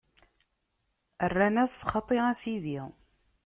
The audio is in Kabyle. Rran-as: Xaṭi a Sidi!